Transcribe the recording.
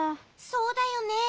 そうだよね。